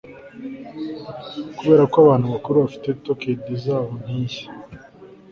kubera ko abantu bakuru bafite tocade zabo nkiyi